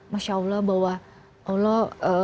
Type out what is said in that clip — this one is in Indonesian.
masya allah bahwa allah